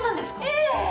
ええ！